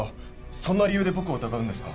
そんな理由で僕を疑うんですか？